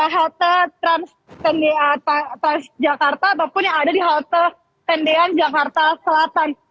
halte transjakarta ataupun yang ada di halte tendean jakarta selatan